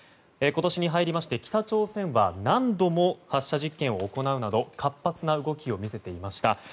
今年に入りまして北朝鮮は何度も発射実験を行うなど活発な動きを見せていました。